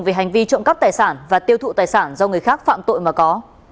về hành vi trộm cắp tài sản và tiêu thụ tài sản do người khác phạm tội mà có